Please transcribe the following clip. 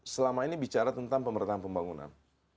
selama ini bicara tentang pemerintahan pembangunan